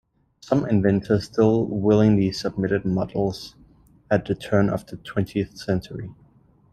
Some inventors still willingly submitted models at the turn of the twentieth century.